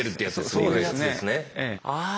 そうですねええ。